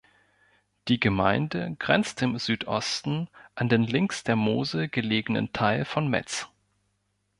Die Gemeinde grenzt im Südosten an den links der Mosel gelegenen Teil von Metz.